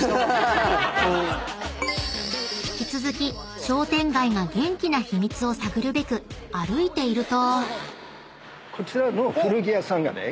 ［引き続き商店街が元気な秘密を探るべく歩いていると］